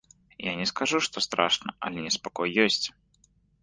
Я не скажу, што страшна, але неспакой ёсць.